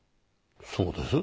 そうです。